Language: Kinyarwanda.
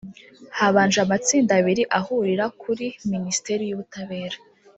Habanje amatsinda abiri ahurira kuri Minisiteri y’Ubutabera